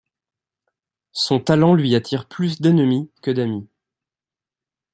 Son talent lui attire plus d'ennemis que d'amis.